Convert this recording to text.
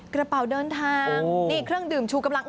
กระเป๋าเดินทางนี่เครื่องดื่มชูกำลัง